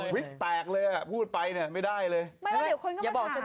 วิทย์แตกเลยอ่ะพูดไปเนี่ยไม่ได้เลย